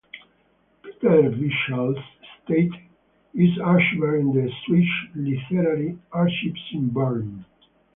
Peter Bichsel's estate is archived in the Swiss Literary Archives in Bern.